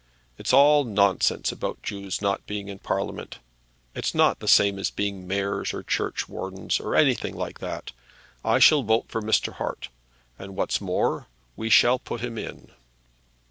It's all nonsense about Jews not being in Parliament. It's not the same as being mayors or churchwardens, or anything like that. I shall vote for Mr. Hart; and, what's more, we shall put him in."